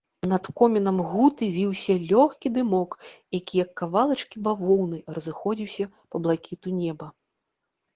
Над комінам гуты віўся лёгкі дымок, які, як кавалачкі бавоўны, разыходзіўся па блакіту неба.